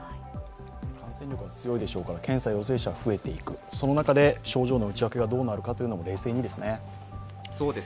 感染力が強いでしょうから検査陽性者が増えていく、その中で症状の内訳がどうなのか冷静にですね。